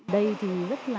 đây thì rất là